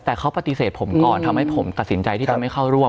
แต่เขาปฏิเสธผมก่อนทำให้ผมตัดสินใจที่จะไม่เข้าร่วม